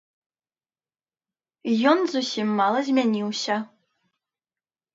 Ён зусім мала змяніўся.